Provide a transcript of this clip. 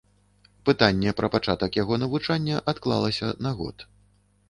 Пытанне пра пачатак яго навучання адклалася на год.